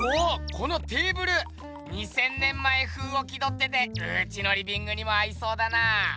このテーブル２，０００年前風を気どっててうちのリビングにも合いそうだな！